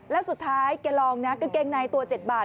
แล้วสุดท้ายแกลองนะกางเกงในตัว๗บาท